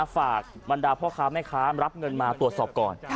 ฝากบรรดาพ่อค้าแม่ค้ารับเงินมาตรวจสอบก่อน